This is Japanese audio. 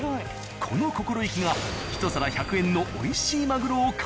この心意気が一皿１００円の美味しいマグロを可能にしていた。